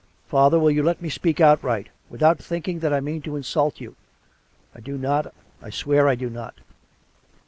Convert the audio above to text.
" Father, will you let me speak outright, without think ing that I mean to insult you ? I do not ; I swear I do not.